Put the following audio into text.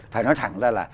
phải nói thẳng ra là